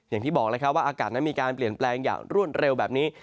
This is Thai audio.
อย่างที่บอกแล้วครับว่าอากาศนั้นมีการเปลี่ยนแปลงอย่างรวดเร็วแบบนี้